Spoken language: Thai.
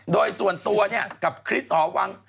โดยส่วนตัวเนี่ยกับคริสหอวัง